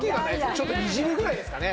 ちょっとにじむぐらいですかね。